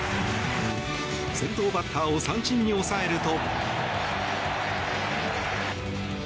先頭バッターを三振に抑えると。